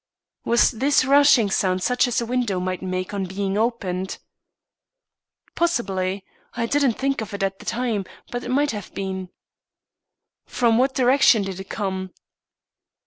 "Was this rushing sound such as a window might make on being opened?" "Possibly. I didn't think of it at the time, but it might have been." "From what direction did it come?"